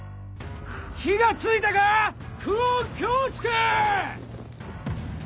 火が付いたか⁉久遠京介！